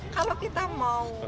kalau kita mau